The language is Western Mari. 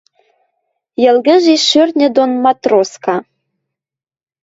Йӹлгӹжеш шӧртньӹ дон матроска.